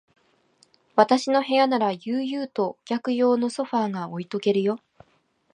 私の部屋なら、悠々とお客用のソファーが置いとけるよ。